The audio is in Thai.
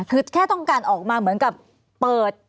คือแค่ต้องการออกมาเหมือนกับเปิด